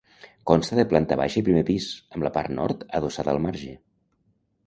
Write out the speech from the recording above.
Consta de planta baixa i primer pis, amb la part nord adossada al marge.